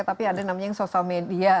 tapi ada yang namanya sosial media